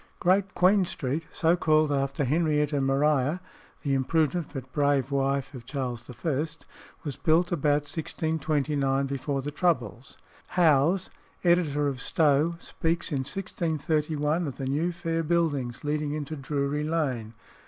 Great Queen Street, so called after Henrietta Maria, the imprudent but brave wife of Charles I., was built about 1629, before the troubles. Howes (editor of Stow) speaks in 1631, of "the new fair buildings leading into Drury Lane."